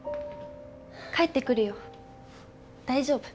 帰ってくるよ大丈夫。